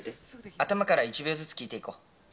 頭から１秒ずつ聴いていこう。